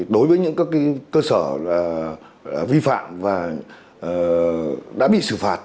đối với những cơ sở vi phạm và đã bị xử phạt